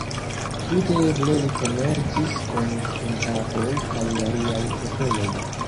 Tute eble ili komercis kun Inkaoj kaj aliaj popoloj.